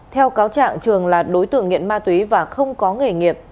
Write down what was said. theo cáo trạng trường là đối tượng nghiện ma túy và không có nghề nghiệp